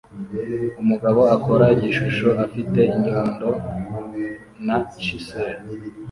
Umugabo akora igishusho afite inyundo na chisel